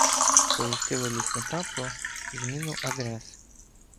Сповістили лісника про "зміну адреси".